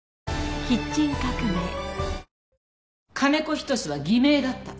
仁は偽名だった。